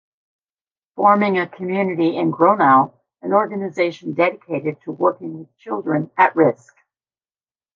Forming a community in Gronau, an organization dedicated to working with children at risk.